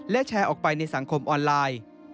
และแชร์ออกไปในสังคมออนไลน์